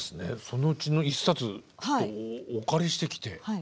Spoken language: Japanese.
そのうちの１冊お借りしてきて。